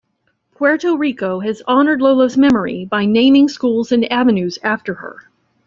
Puerto Rico has honored Lola's memory by naming schools and avenues after her.